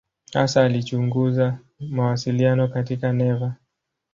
Hasa alichunguza mawasiliano katika neva.